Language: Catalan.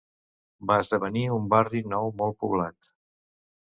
Va esdevenir un barri nou molt poblat.